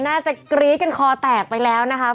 น่าจะกรี๊ดกันคอแตกไปแล้วนะคะ